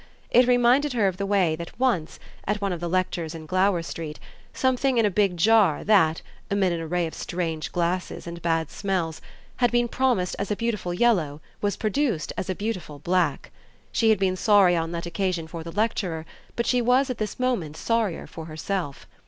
It reminded her of the way that once, at one of the lectures in Glower Street, something in a big jar that, amid an array of strange glasses and bad smells, had been promised as a beautiful yellow was produced as a beautiful black. She had been sorry on that occasion for the lecturer, but she was at this moment sorrier for herself.